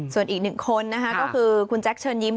ส่วนอีกหนึ่งคนนะคะก็คือคุณแจ๊คเชิญยิ้ม